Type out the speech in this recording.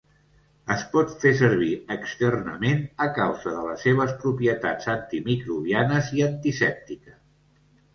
Es pot fer servir externament a causa de les seves propietats antimicrobianes i antisèptiques.